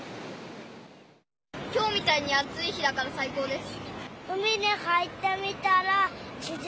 きょうみたいに暑い日だから最高です。